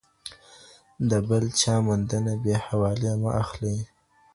د بل چا موندنه بې حوالې مه اخلئ.